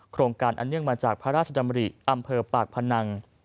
การอันเนื่องมาจากพระราชดำริอำเภอปากพนัง